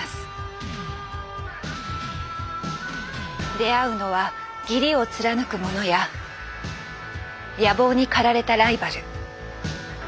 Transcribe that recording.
出会うのは義理を貫く者や野望に駆られたライバル。